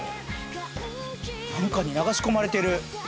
何かに流し込まれてる。